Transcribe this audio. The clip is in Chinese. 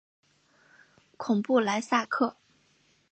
孔布莱萨克。